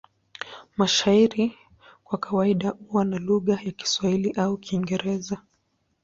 Mashairi kwa kawaida huwa kwa lugha ya Kiswahili au Kiingereza.